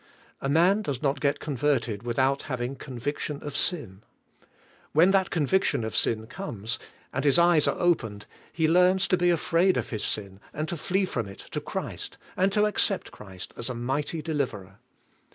A man does not get converted without having conviction of sin. When that conviction of sin comes, and his eyes are opened, he learns to be afraid of his sin, and to flee from it to Christ, and to accept Christ as a mighty deliverer.